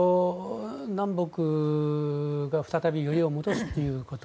南北が再びよりを戻すということ。